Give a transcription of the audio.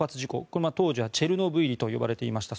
これは当時はチェルノブイリと呼ばれていました